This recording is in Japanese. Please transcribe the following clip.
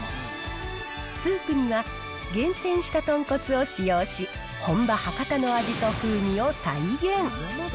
スープには厳選した豚骨を使用し、本場、博多の味と風味を再現。